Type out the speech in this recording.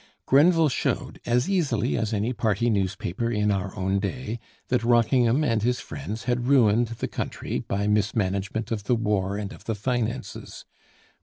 Grenville showed, as easily as any party newspaper in our own day, that Rockingham and his friends had ruined the country by mismanagement of the war and of the finances.